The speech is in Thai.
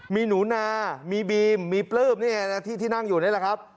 มีหนูนามีบีมมีปลื้มที่นั่งอยู่นี่แหละครับ